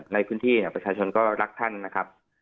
ในพื้นที่ประชาชนก็รักท่านนะครับ